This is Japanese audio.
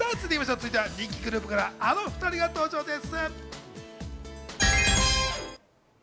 続いて、人気グループからあの２人が登場です。